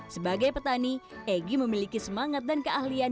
sebagai petani egy memiliki semangat dan keahlian